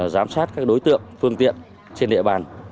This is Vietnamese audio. giám sát các đối tượng phương tiện trên địa bàn